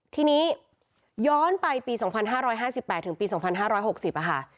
ที่นี้ย้อนไปปี๒๕๕๘๒๕๖๐อ่ะค่ะ